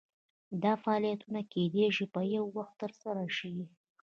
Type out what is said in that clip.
دا فعالیتونه کیدای شي په یو وخت ترسره شي.